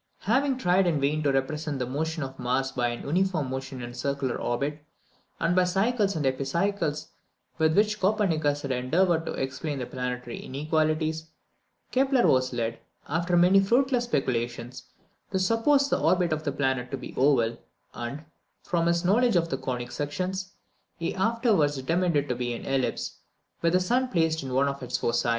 Having tried in vain to represent the motion of Mars by an uniform motion in a circular orbit, and by the cycles and epicycles with which Copernicus had endeavoured to explain the planetary inequalities, Kepler was led, after many fruitless speculations, to suppose the orbit of the planet to be oval; and, from his knowledge of the conic sections, he afterwards determined it to be an ellipse, with the sun placed in one of its foci.